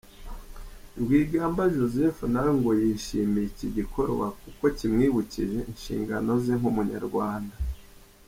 Rwigamba Joseph na we ngo yishimiye iki gikorwa kuko kimwibukije inshingano ze nk’Umunyarwanda.